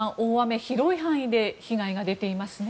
柳澤さん、大雨広い範囲で被害が出ていますね。